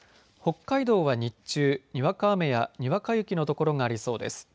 北海道は日中、にわか雨やにわか雪の所がありそうです。